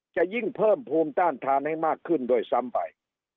จะยิ่งเพิ่มภูมิต้านทานให้มากขึ้นด้วยซ้ำไป